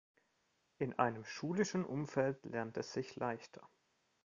In einem schulischen Umfeld lernt es sich leichter.